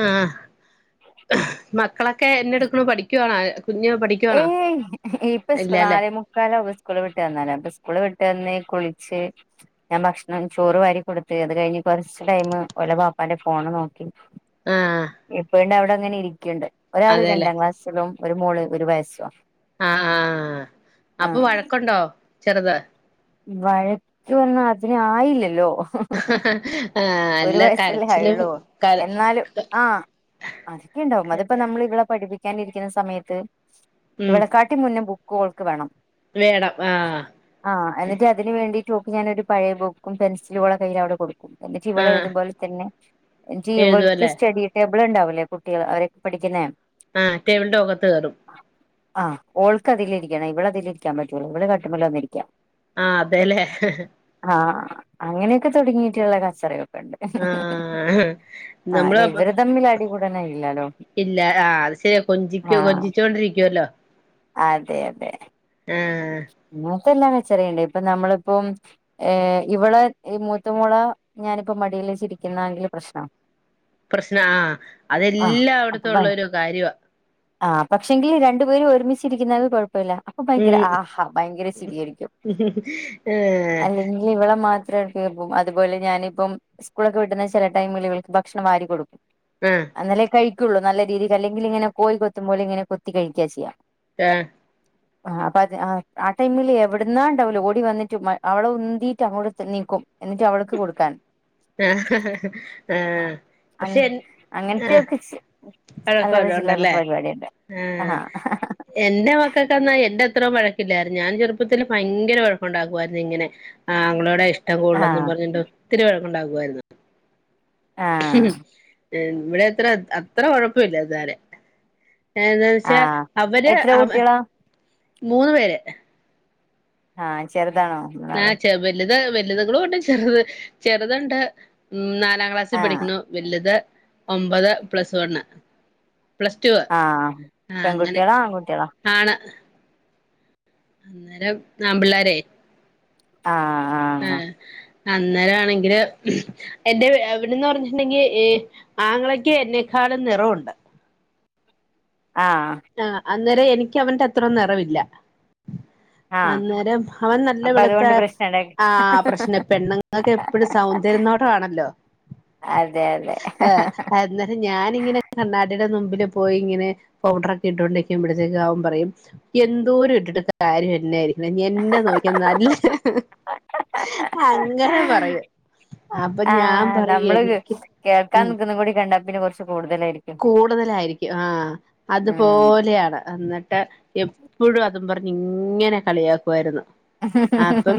ആഹ് മക്കളൊക്കെ എന്നാ എടുക്കണ് പഠിക്കുവാണ കുഞ്ഞ് പഠിക്കു ഏയ് ഇപ്പ [unintelligible] മുക്കാല സ്കൂള് വിട്ടു വന്നാലേ അപ്പൊ സ്കൂള് വിട്ടു വന്ന് കുളിച്ച് ഞാൻ ഭക്ഷണം ചോറ് വാരി കൊടുത്ത് അത് കഴിഞ്ഞ് കൊറച്ച് ടൈം ഓലെ ബാപ്പാന്റെ ഫോണ് നോക്കി ആഹ് എപ്പോഴണ്ട് അവിടെ ഇങ്ങനെ ഇരിക്ക്ണ്ട് ഒരാള് അതെല്ലേ രണ്ടാം ക്ലാസ്സിലും ഒരു മോള് ഒരു വയസ്സോ ആഹ് ആഹ് അപ്പൊ വഴക്കുണ്ടോ ചെറുത് വഴക്ക് വന്ന അതിനെ ആയില്ലല്ലോ ആഹ് ഒരു അല്ല വയസല്ലേ കരച്ചിലും ആയുള്ളൂ കര എന്നാലും ആഹ് അതൊക്കെ ഉണ്ടാവും അതിപ്പോ നമ്മൾ ഇവിള പഠിപ്പിക്കാനിരിക്കണ സമയത്ത് ഉം ഇവളെ കാട്ടി മുന്നെ ബുകോൾക്ക് വേണം വേണം ആഹ് ആഹ് എന്നിട്ട് അതിന് വേണ്ടീട്ട് ഓക്ക് ഞാനൊരു പഴയ ബുക്കും പെൻസിലും ഓളെ കയ്യിൽ അവിടെ കൊടുക്കും എന്നിട്ട് ഇവള് ആഹ് എഴുതുംപോലെ തന്നെ എന്നിട്ട് ഇവക് എഴുതുവല്ലേ സ്റ്റഡി ടബിൾ ഉണ്ടാവില്ലേ കുട്ടികൾ അവരൊക്കെ പഠിക്കുന്നേ ആഹ് ടേബിന്റെകത്ത് കയറും ആഹ് ഓൾക്കതില് ഇരിക്കണം ഇവള് അതിലിരിക്കാൻ പറ്റൂല ഇവള് കട്ടുമ്മല് വന്നിരിക്കാ ആഹ് അതെല്ലേ ആഹ് അങ്ങനെയൊക്കെ തുടങ്ങിയിട്ടുള്ള കച്ചറള്ളൂ ആഹ് നമ്മള് ആഹ് ഇവര് തമ്മിൽ അടിക്കൂടനെ ഇല്ലാലോ ഇല്ല ആഹ് അത് ശരിയാ കൊഞ്ചിക്കൊ കൊഞ്ചിച്ചോണ്ടിരിക്കുവല്ലോ അതെ അതെ ഉം അങ്ങനത്തെ എല്ലാം കച്ചറയിണ്ട് ഇപ്പൊ നമ്മളിപ്പം ഏഹ് ഇവളെ മൂത്തമോളെ ഞാനിപ്പോ മടീൽ വെച്ച് ഇരിക്കുന്നാെങ്കില് പ്രശ്നം പ്രശ്നാ ആഹ് ആഹ് അതെല്ലാം അപ്പൊ ഭയ വിടത്തള്ളൊരു കാര്യമാ ആഹ് പക്ഷെങ്കില് രണ്ടു പേരും ഒരുമിച്ചിരിക്കുന്ന കുഴപ്പമില്ല അപ്പൊ ഭയങ്കര ഉം ആഹ് ഭയങ്കര ചിരിആയിരിക്കും ഏഹ് അല്ലെങ്ക ഇവള മാത്രം എടുക്കേം പോവും അതുപോലെ ഞാനിപ്പം സ്കൂളൊക്കെ വിട്ടുന്ന ചില ടൈമിൽ ഇവൾക്ക് ഭക്ഷണം വാരി കൊടുക്കും ഉം അന്നലേ കഴിക്കുകുള്ളൂ നല്ല രീതിക്ക് അല്ലെങ്കിൽ ഇങ്ങനെ കോയി കൊത്തുമ പോല ഇങ്ങനെ കൊത്തി കഴിക്കുക ചെയ്യാം ആഹ് ആഹ് ആ ടൈമില് എവിടുന്നാണ്ടാവൂല ഓടി വന്നിട്ട് അവള ഉന്തിയിട്ട് അങ്ങോട്ട നീക്കും എന്നിട്ട് അവൾക്ക് കൊടുക്കാൻ ആഹ് അ പക്ഷെ എൻ ആഹ് അങ്ങൻതൊക്കെ അല്ലറ വഴക്കവല്ലോം ചിലറ ഉണ്ടല്ലേ പരിപാടിയ്ണ്ട് ആഹ് എന്റെ മക്കക്കെന്നാൽ എന്റെ അത്രോ വഴക്കില്ലായിരുന്നു ഞാൻ ചെറുപ്പത്തിൽ ഭയങ്കര വഴക്കുണ്ടാക്കുയിരുന്നു ഇങ്ങനെ ആഹ് ഇങ്ങളോടെ ഇഷ്ടം കൂടുലെന്നും ആഹ് പറഞ്ഞിട്ട് ഒത്തിരി വഴക്കുണ്ടാകുവായിരുന്നു ആഹ് ഇവിടെത്ര അത്ര വഴക്ക് ഇല്ല ഇതരെ ഏ എന്താ വച്ചാ ആഹ് അവര് എത്ര അവ കുട്ടികളാ മൂന്ന് പേര് ആഹ് ചെറുതാണോ മൂന്നാളും വലു വലുതകളും ഉണ്ട് ചെറുത് ചെറുതണ്ട് ഉം നാലാം ക്ലാസ്സിൽ ആഹ് പഠിക്കുന്നു വലുത് ഒമ്പത് പ്ലസ് വൺ പ്ലസ് ടു ആഹ് അങ്ങനെ പെൺകുട്ടികളോ ആൺകുട്ടികളോ ആണ് അന്നേരം നാ പിള്ളാരേ ആ ആഹ് ആഹ് അന്നേരാണെങ്കില് എന്റെ എവിടെന്ന് പറഞ്ഞിട്ടുണ്ടെങ്കിൽ ആങ്ങളക്ക് എന്നെക്കാളും നിറവുണ്ട് ആഹ് ആഹ് അന്നേരം എനിക്ക് അവന്റെ അത്രോ നിറവില്ല ആഹ് ആഹ് അന്നേരം അവൻ നല്ല അപ്പൊ വെളുത്ത അതുകൊണ്ട് പ്രശ്നം ഉണ്ടായി ആ പ്രശ്ന പെണ്ണങ്ങളൊക്കെ ഇപ്പടെ സൗന്ദര്യംന്നോടണല്ലോ അതെ അതെ അന്നേരം ഞാനിങ്ങനെ കണ്ണാടിടെ മുമ്പില് പോയി ഇങ്ങനെ പൗഡറൊക് ഇട്ടോണ്ടിരിക്കുമ്പഴ്ത്തേക്ക് അവൻ പറയും എന്തോരും ഇട്ടിട്ട് കാര്യന്നെയിരി [unintelligible] എന്നെ നോക്കി അങ്ങനെ പറയും അപ്പ ഞാൻ പറയു എനിക്ക് ഉം ഒന്നും കൂടി കണ്ടാ പിന്നെ കൊറച്ച് കൂട്തലായിരി കൂടുതലായിരിക്കും ആഹ് അതുപോലെയാണ് അന്നിട്ട് എപ്പഴും അതും പറഞ്ഞ് ഇങ്ങനെ കളിയാക്കുവായിരുന്നു അപ്പം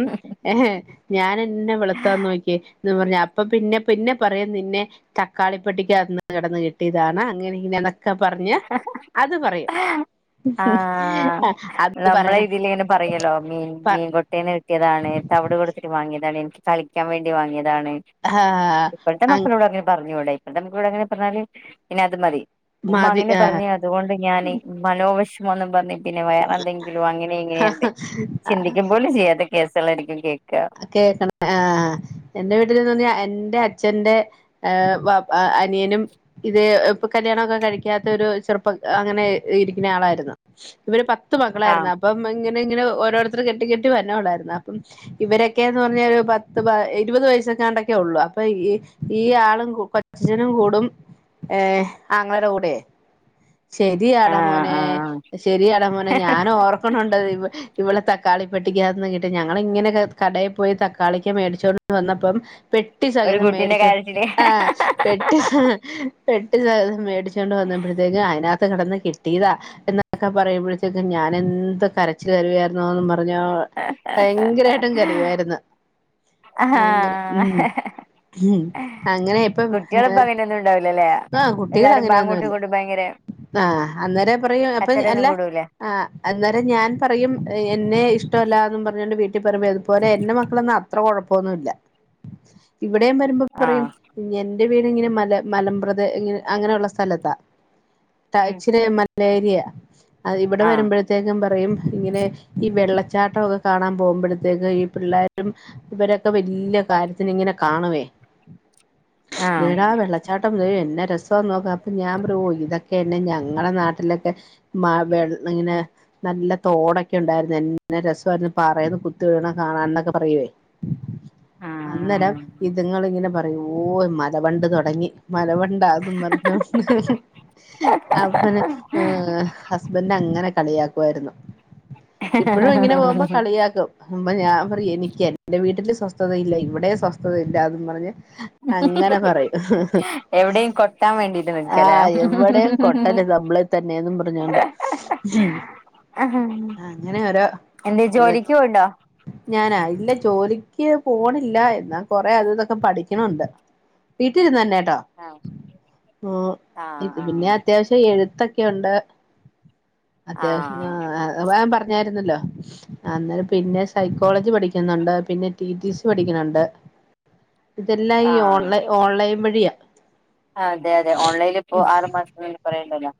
ഏഹ് ഞാൻ എന്നാ വെള്ത്താന്ന് നോക്കിയെ എന്നും പറഞ്ഞ് അപ്പൊ പിന്നെ പിന്നെ പറയും നിന്നെ തക്കാളിപ്പെട്ടിക്ക് അകത്ത്ന്ന് കെടന്ന് കിട്ടിയതാണ് അങ്ങനെ ഇങ്ങനെയാന്നെക് ക്കെ പറഞ്ഞ് അത് പറയും ഉം ആഹ് ആഹ് അത് നമ്മളെ പറയണേ ഇതില് ഇങ്ങനെ പറയല്ലോ മീൻ പ മീൻ കൊ ട്ടേന്ന് കിട്ടിയതാണ് തവിട് കൊടുത്തിട്ട് വാങ്ങിയതാണ് എനിക്ക് കളിക്കാൻ വേണ്ടി വാങ്ങിയതാണ് ആഹ് ഇപ്പഴ്ത്തെ അങ് മക്കളോട് അങ്ങനെ പറഞ്ഞൂടാ ഇപ്പഴ്ത്തെ മക്കളോട് അങ്ങനെ പറഞ്ഞാല് പിന്നെ അത് മതി മതി ഉമ്മങ്ങനെ ആഹ് പറഞ്ഞ് അതുകൊണ്ട് ഞാൻ മനോവെഷ ന്നും പറഞ്ഞ് പിന്നെ വേറെ എന്തെങ്കിലും അങ്ങനെ ഇങ്ങനെയാണ്ട് ചിന്തിക്കും പോലും ചെയ്യാത്ത കേസളായിരിക്കും കേൾക്കാ കേക്ക്ണ് ആഹ് എന്റെ വീട്ടില്ന്ന് പറഞ്ഞാ എന്റെ അച്ഛന്റെ ഏഹ് വാപ് ആഹ് അനിയനും ഇത് ഇപ്പൊ കല്യാണൊക്കെ കഴിക്കാത്ത ഒരു ചെറുപ്പം അങ്ങനെ ഇരിക്ക്ണ ആളായിരുന്നു ഇവര് പത്ത് ആഹ് മക്കളായിരുന്ന് അപ്പം ഇങ്ങനെ ഇങ്ങനെ ഓരോരുത്തറ് കെട്ടി കെട്ടി വരണോള്ളായിരുന്ന് അപ്പം ഇവരൊക്കെന്ന് പറഞ്ഞാ ഒരു പത്ത് പ ഇരുപത് വയസ്സെങ്ങാണ്ടൊക്കെ ഉള്ളൂ അപ്പൊ ഈ ഈ ആളും കു കൊച് ച്ചച്ചനും കൂടും ഏഹ് ആങ്ങളേടെ കൂടെയെ ശരിയാടാ ആഹ് മോനെ ആഹ് ശരിയാട മോനെ ഞാനോർ ക്കൊണണ്ടത് ഇ ഇവിളെ തക്കാളി പെട്ടിക്കാത്ത്ന്ന് കിട്ടിയെ ഞങ്ങള് ഇങ്ങനെ [unintelligible] കടേ പോയി തക്കാളിക്ക മേടിച്ചോണ്ട് വന്നപ്പം പെട്ടി ഒരു സകിതം കുട്ടിന്റെ മേടിച്ചോ കാര്യത്തില് ആഹ് പെട്ടി പെട്ടി സഹിതം മേടിച്ചോണ്ട് വന്നപ്പഴ്ത്തേക്കും അതിനാത്ത് കെടന്ന് കിട്ടീതാ എന്നൊക്കെ പറയുമ്പഴ്ത്തേക്കും ഞാൻ എന്ത് കരച്ചില് കരുവയായിരുന്നോന്ന് പറഞ്ഞോ ഹ ഹ ഹ ഹ ചെയ്യുവായിരുന്നു അങ്ങനെ ഉം ആഹ് ഉം അങ്ങനെ ഇപ്പം കുട്ടികളിപ്പ അങ്ങനെയൊന്നും ഉണ്ടാവില്ലല്ലേ ആഹ് കുട്ടികൾ എല്ലാരും അങ്ങോട്ടും അങ്ങനൊയൊന്നുല്ലാ ഇങ്ങോട്ടും ഭയങ്കര ആഹ് അന്നേരെ പറയും അപ്പൊ കച്ചറയൊന്നും അല്ല കൂടൂലേ ആഹ് അന്നേരം ഞാൻ പറയും ഏഹ് എന്നെ ഇഷ്ട്ടവല്ലാന്ന് പറഞ്ഞോണ്ട് വീട്ടി പറയുമ്പോ [unintelligible] പോലെ എന്റെ മക്കളൊന്നും അത്ര കൊഴപ്പൊന്നുല്ലാ ഇവിടേം വരുമ്പ പറയും ആഹ് ഉം എന്റെ വീട് ഇങ്ങനെ മല മലമ്പ്ര അങ്ങനെയൊള്ള സ്ഥലത്താ ആഹ് ഉം ഇച്ചിരെ മ ലേരിയാ അത് ഇവിടെ ആഹ് വരുമ്പഴ് ത്തേക്കും പറയും ഇങ്ങനെ ഈ വെള്ളച്ചാട്ടക്കെ കാണാൻ പോകുമ്പഴ്ത്തേ ത് ഈ പിള്ളാരും ഇവരൊക്കെ വെല്യ കാര്യത്തിന് ഇങ്ങനെ കാണുവേ ആഹ് തേടാ വെള്ളച്ചാട്ടം തേ എന്നാ രസാന്ന് നോക്ക് അപ്പ ഞാൻ പറയും ഓഹ് ഇതൊക് ക്കെയെന്നാ ഞങ്ങളെ നാട്ടിലൊക്കെ മ വെൾ ന്ന്ങ്ങനെ ഉം നല്ല തോടൊക്കെ ഒണ്ടായിരുന്നു എന്നറ രസായിരുന്നു പാറേന്ന് കുത് [unintelligible] കാണാൻന്നൊക്കെ പറയുവേ അന്നരം ആഹ് ഇതുങ്ങള്ങ്ങനെ പറയും ഓഹ് ഈ മലവണ്ട് തൊടങ്ങി മലവണ്ടാന്നും പറഞ്ഞോണ്ട് അപ്പ പിന്നെ ഏഹ് ഹസ്ബൻഡ് അങ്ങനെ കളിയാക്കുവായിരുന്നു ഇപ്പഴും ഇങ്ങനെ പോകുമ്പോ കളിയാക്കും അപ്പ ഞാൻ പറ എനിക്ക എന്റെ വീട്ടില് സ്വസ്ഥതയില്ല ഇവിടെ സ്വസ്ഥതയില്ലും പറഞ്ഞ് അങ്ങനെ പറയൂ എവിടെയും കൊട്ടാൻ വേണ്ടീട്ട് നിക്കലേ ആഹ് എവിടെ കൊട്ടല്ലമ്പള തന്നെയും പറഞ്ഞോണ്ട് ഉം അങ്ങനെ ഓരോ എന്തേ ജോലിക്ക് പോവ്ണ്ടോ ഞാനാ ഇല്ല ജോലിക്ക് പോണില്ല എന്നാ കൊറെേ അത് ഇതൊക്കെ പഠിക്കണുണ്ട് വീട്ടിരുന്ന് തന്നെട്ടോ ആഹ് ഇത് ആഹ് പിന്നെ ആഹ് അത്യാവശ്യം എഴുത്തൊക്കെുണ്ട് അത്യാവശ്യം ആഹ് ഞൻ പറഞ്ഞായിരുന്നല്ലോ അന്നര പിന്നെ സൈക്കോളജി പഠിക്കുന്നുണ്ട് പിന്നെ ടി ടി സി പഠിക്കുന്നുണ്ട് ഇതെല്ലാം ഈ ഓൺലൈ ഓൺലൈൻ വഴിയ ആഹ് അതെ അതെ ഓൺലൈനി ഇപ്പോ ആറു മാസംന്ന പറയണ്ടല്ലോ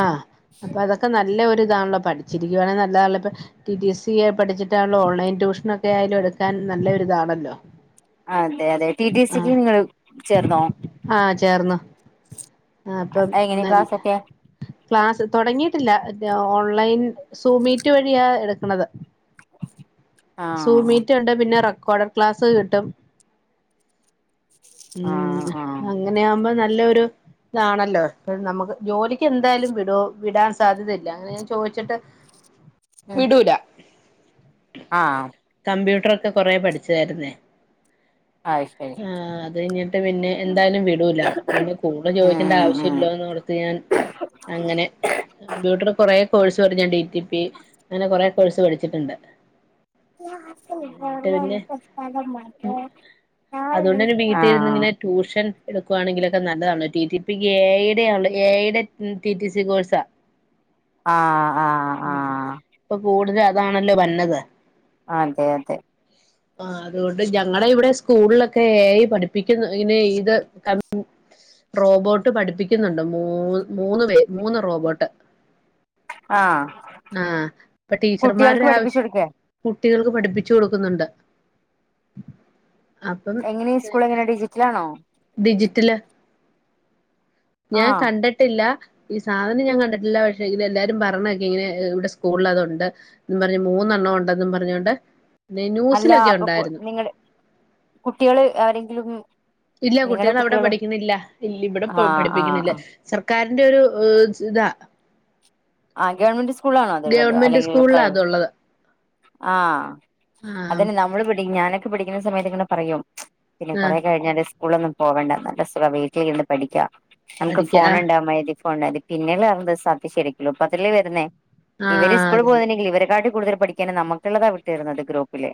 ആഹ് അപ്പൊ അതൊക്കെ നല്ലൊരൂ ഇതാണല്ലോ പഠിച്ചിരിക്കുവാണെങ്കിൽ നല്ലതാണല്ലോ ഇപ്പൊ ടിടിി സി പഠിച്ചിട്ടാല്ല ഓൺലൈൻ ട്യൂഷന ഒക്കെ ആയാലും എടുക്കാൻ നല്ലൊരിതാണല്ലോ അതെ അതെ ടിടി സിക്ക് ആഹ് നിങ്ങള് ചേർന്നോ ആഹ് ചേർന്നോ ആഹ് അപ്പം എങ്ങനെ നല്ല ക്ലാസ്സൊക്കെ ക്ലാസ്സ് തുടങ്ങിയിട്ടില്ല ഓൺലൈൻ സൂമീറ്റ് വഴിയാ എടുക്കണത് ആഹ് സൂമീറ്റ് കണ്ട് പിന്നെ റെക്കോർഡഡ ക്ലാസ് കിട്ടും ആഹ് ഉം ആഹ് അങ്ങനൊകുമ്പോ നല്ലൊരു ഇതാണല്ലോ നമുക്ക് ജോലി എന്തായാലും വിട വിടാൻ സാധ്യതല്ലങ്ങന ഞാൻ ചോദിച്ചിട്ട് ഉം വിടൂല ആഹ് കമ്പ്യൂട്ടർ ഒക്കെ കൊറെേ പഠിച്ചതായിരുന്നേ ആയ്ശരി ആഹ് അത് കഞ്ഞിട്ട് പിന്നെ എന്തായാലും വിടൂല്ല പിന്നെ കൂടുതൽ ചോദിക്കേണ്ട ഉം ഉം ആവശ്യമല്ലോന്ന് ത്ത് ഞൻ അങ്ങനെ കമ്പ്യൂട്ടർ കുറേ കോഴ്സ് പറ ഞാൻ ഡി ടി പി അങ്ങനെ കൊറെേ കോഴ്സ് പഠിച്ചിട്ടുണ്ട് കഴിഞ്ഞിട്ട് പിന്നെ അതുകൊണ്ട് [unintelligible] തന്നെ വീട്ടിലിരുന്ന് ആഹ് ഇങ്ങനെ ട്യൂഷൻ എടുക്കുവാണെങ്കിലൊക്കെ നല്ലതാണല്ല ടി ടി പി ക്കെ ഏഴര ആള്ള [unintelligible] ഉം ടിടി സി കോഴ്സ ആഹ് ആഹ് ആഹ് ഇപ്പൊ കൂടുതൽ അതാണല്ലോ വന്നത് അതെ അതെ ഉം ആഹ് അതുകൊണ്ട് ഞങ്ങള ഇവിടെ സ്കൂളിലൊക്കെ എ അയ് പഠിപ്പിക്കുന്ന ഇങ്ങനെ ഇത് റോബോട്ട് പഠിപ്പിക്കുന്നുണ്ട് മൂ മൂന്ന് പേ മൂന്ന് റോബോട്ട് ആഹ് ആഹ് അപ്പൊ ടീച്ചർമാര് കുട്ടികൾക്ക് [unintelligible] പഠിപ്പിച്ചു കൊടുക്കേ കുട്ടികള്ക്ക് പഠിപ്പിച്ചു കൊടുക്കുന്നുണ്ട് അപ്പം എങ്ങനെ സ്കൂൾ എങ്ങനെ ഡിജിറ്റൽആണോ ഡിജിറ്റല് ഞാൻ ആഹ് കണ്ടിട്ടില്ല ഈ സാധനം ഞാൻ കണ്ടിട്ടില്ല പക്ഷെ ഇ എല്ലാരും പറഞ്ഞൊക്കെ ഇങ്ങനെ ഇവിടെ സ്കൂളിൽ അത്ഉണ്ട് എന്ന പറഞ് മൂന്നെണ്ണം ഉണ്ടെന്നും പറഞ്ഞോണ്ട് പിന്നെ അല്ല ന്യൂസിലൊക്കെ അപ്പൊ ഉണ്ടായിരുന്നു നിങ്ങടെ കുട്ടികള് ആരെങ്കിലും ഇല്ല നിങ്ങളുടെ കുട്ടികൾ അവിടെ കുട്ടികള് പഠിക്കുന്നില്ല ഇവിടെ ആഹ് പഠിപ്പിക്കുന്നില്ല ആഹ് സർക്കാരിന്റെ ഒരു ഇതാ ആഹ് ഗവൺമെന്റ് സ്കൂളാണോ അതള്ളത് ഗവൺമെന്റ് അല്ലെങ്കിൽ സ്കൂളിലാ പ്രൈവ അതുള്ളത് ആഹ് ആഹ് അതന്നെ നമ്മള് പടി ഞാനൊക്കെ പടിക്കുന്ന സമയത്ത് ഇങ്ങനെ പറയും പിന്നെ ആഹ് കുറെ കഴിഞ്ഞാല് സ്കൂളൊന്നും പോവണ്ട നല്ല സുഖ വീട്ടിൽ ഇരുന്ന് പഠിക്കാം നമുക്ക് പഠിക്ക ഫോൺ ആഹ് ഉണ്ടാ മ ഇതി ഫോണതി പിന്നെള്ള വ സാ ശരിക്കലോ അപ്പ അതല്ലേ വരുന്നേ ഇവര് ആഹ് സ്കൂള് അതെ അതെ പോകുന്നണ്ടെങ്കിൽ ഇവരെക്കാട്ടി കൂടുതൽ പഠിക്കാനും നമുക്കുള്ളതാ വിട്ട് തരുന്നത് ഗ്രൂപ്പില്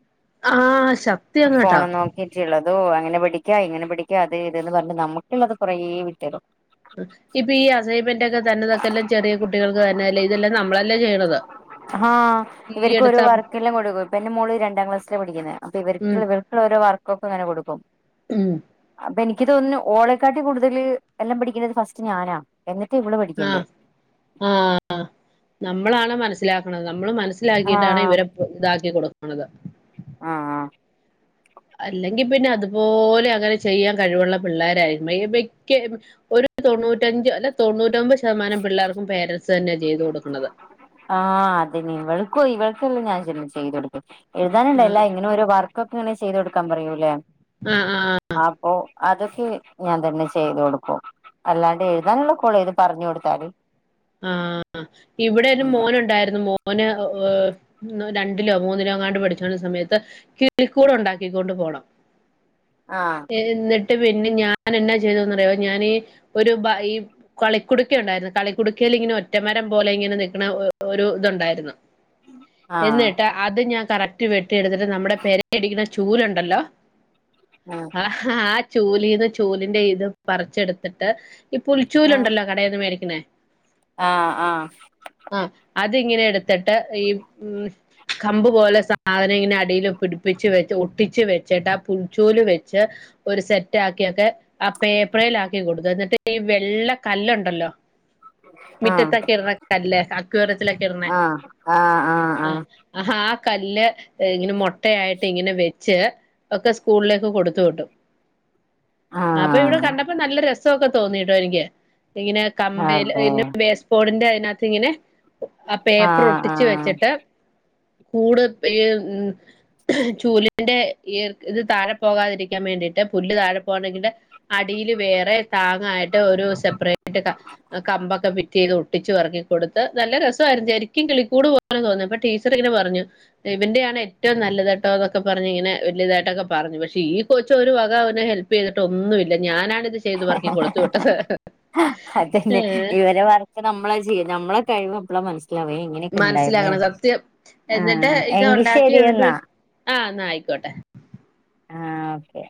ആഹ് ശക്തി ആഹ് അങ്ങാട്ടോ ഫോണ് നോ കെറ്റിയുള്ളതോ അങ്ങനെ പിടിക്കാ ഇങ്ങനെ പിടിക്കാ അത് ഇതന്ന് പറഞ്ഞ് നമുക്കുള്ളത് കുറേ വിട്ടക്കും ഇപ്പൊ ഈ അസൈൻമെന്റ് ഒക്കെ തന്നെതൊക്കെല്ലാം ചെറിയ കുട്ടികൾക്ക് തന്നെല്ലേ ഇതെല്ലാം നമ്മളെല്ലാം ചെയ്യണത് ആഹ് ഈ ഇവർക്ക് ഓരോ എടുത്ത വർക്കല്ലാം കൊടുക്കും ഇപ്പ എന്റെ മോൾ രണ്ടാം ക്ലാസില പടിക്കുന്ന അപ്പൊ ഉം ഇവർക്ക് ഇവർക്ക ഓരോ വർക്കെക്കെങ്ങനെ കൊടുക്കും ഉം അപ്പൊ എനിക്ക് തോന്നുന്നു ഓളക്കാട്ടി കൂടുതൽ എല്ലാം പഠിക്കേണ്ടത് ഫസ്റ്റ് ഞാനാ എന്നിട്ട് ഇവള് പഠിക്കേണ്ട ആഹ് നമ്മളാണ് മനസ്സിലാക്കണത് നമ്മള് മനസ്സിലാക്കിയിട്ടാണ് ആഹ് ഇവരെ ഇതാക്കി കൊടുക്കണത് ആഹ് അല്ലെങ്കി പിന്നെ അതുപോലെ അങ്ങനെ ചെയ്യാൻ കഴിവുള്ള പിള്ളോരായിരുന്നെങ്കിൽ മിക്ക ഒരു തൊണ്ണൂറ്റഞ്ച് അല്ല തൊണ്ണൂറ്റൊമ്പത് ശതമാനം പിള്ളേർക്കും പേരൻസ് തന്നെയാണ് ചെയ്തു കൊടുക്കണത് ആഹ് അതിനിവൾക്കും ഇവൾക്കും ഞാൻ തന്നെ ചെയ്തു കൊടുക്കും എഴുതാനന്നല്ല ഇങ്ങനെ ഓരോ വർ ക്കൊക്കെങ്ങനെ ചെയ്തുടുക്കാൻ പറയൂല്ലേ ആഹ് ആഹ് ആപ്പൊ അതൊക്കെ ഞാൻ തന്നെ ചെയ്തു കൊടുക്കും അല്ലാണ്ട് എഴുതാനുള്ള കുള ഇത് പറഞ്ഞു കൊടുത്താല് ആഹ് ഇവിടെരു ഉം മോനുണ്ടായിരുന്നു മോ ഓന് രണ്ടിലോ മൂന്നിലോ അങ്ങാണ്ട് പഠിച്ചോണ്ടിരുന്ന സമയത്ത് കിളിക്കൂട് ഉണ്ടാക്കിക്കൊണ്ട് പോണം ആഹ് എന്നിട്ട് പിന്നെ ഞാൻ എന്നാ ചെയ്തന്നറിയോ ഞാനീ ഒരു ഈ കളിക്കുടുക്ക ഉണ്ടായിരുന്നു കളിക്കുടു ക്കേല് ഇങ്ങനെ ഒറ്റമരം പോലെ ഇങ്ങനെ നിക്കുന്ന ഒരു ഇതുണ്ടായിരുന്നു ആഹ് എന്നിട്ട് അത് ഞാൻ കറക്റ്റ് വെട്ടിയെടുത്തിട്ട് നമ്മുടെ പെരടിക്കണ ചൂലുണ്ടല്ലോ ആഹ് ആഹ് ചൂലീന്ന് ചൂലിന്റെ ഇത് പറിച്ചെടുത്തിട്ട് ഈ ആഹ് പുൽച്ചൂലുണ്ടല്ലോ കടയിന്ന് മേടിക്കുന്നേ ആഹ് ആഹ് ആഹ് അതിങ്ങനെ എടുത്തിട്ട് ഈ ഉം കമ്പ് പോലെ സാധനം ഇങ്ങനെ അടിൽ പിടിപ്പിച്ച് വെച്ച് ഒട്ടിച്ച് വെച്ചിട്ട് ആ പുൽച്ചോല് വെ ച്ച് ഒരു സെറ്റ് ആക്കിയൊക്കെ ആഹ് പേപ്പറേൽ ആക്കി കൊടുത്തു എന്നിട്ട് ഈ വെള്ള കല്ലുണ്ടല്ലോ ആഹ് മിറ്റത്തൊക്കെ ഇടണ കല്ല് അക്വാറിയത്തിലൊക്കെ ഇടണ ആഹ് ആഹ് കല്ല് ഇങ്ങനെ മുട്ടയായിട്ട് ഇങ്ങനെ വെച്ച് ഒക്കെ സ്കൂളിലേക്ക് കൊടുത്തു വിട്ടു ആഹ് അപ്പൊ ഇവിടെ ആഹ് ആഹ് കണ്ടപ്പോ നല്ല രസമൊക്കെ തോന്നിട്ടോ എനിക്ക് ഇങ്ങനെ അതെ ബേസ്പോഡിന്റെ അതിനകത്ത് ഇങ്ങനെ ആഹ് പേപ്പർ ആഹ് ഒട്ടിച്ചു വെച്ചിട്ട് കൂട് ഈ ചൂലിന്റെ ഈ ഇത് താഴെ പോകാതിരിക്കാൻ വേണ്ടിയിട്ട് പുല്ല് താഴെ പോ [unintelligible] അടില് വേറെ താങ്ങായിട്ട് ഒരു സെപ്പറേറ്റ് കമ്പക്കെ ഫിറ്റ് ചെയ്ത് ഒട്ടിച്ച് പെറക്കി കൊടുത്ത് നല്ല രസവാരുന്നു ശെരിക്കും കിളിക്കൂട് പോല ലെ തോന്നും അപ്പോ ടീച്ചർ ഇങ്ങനെ പറഞ്ഞു ഇവന്റെയാണ് ഏറ്റോം നല്ലത് കേട്ടോ എന്നൊക്കെ പറഞ്ഞ് ഇങ്ങനെ വല്യതായിട്ടൊക്കെ പറഞ്ഞു പക്ഷെ ഈ കൊച്ച് ഒരു വക അവനെ ഹെൽ പ്പ് ചെയ്തിട്ടൊന്നു ഇല്ല ഞാനാണിത് ചെയ്ത് പെറക്കി കൊടുത്തു വിട്ടത് ആഹ് അതന്നെ ഇവരെ വർക്ക് നമ്മള ചെയ്യ നമ്മളെ കഴിവ് ഇപ്പള മനസ്സിലാവേ ഇങ്ങനെയൊക്കെ ഉണ്ടായിരുന്ന മനസ്സിലാക്കണം സത്യം എന്നിട്ട് ആഹ് ഇത് എങ്കി ഒണ്ടാക്കി എന്നിട്ട് ശരിയെന്നാ ആഹ് എന്നാ ആയിക്കോട്ടെ ആഹ് ഓക്കെ